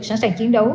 sẵn sàng chiến đấu